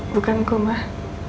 bukan kok mah